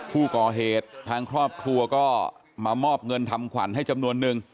ผู้ก่อเหตุทางครอบครัวก็มามอบเงินทำขวัญให้จำนวนนึง